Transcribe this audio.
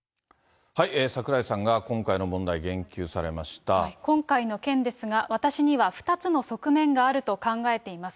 櫻井さんが今回の問題、今回の件ですが、私には２つの側面があると考えています。